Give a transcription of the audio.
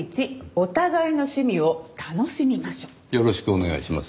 よろしくお願いします。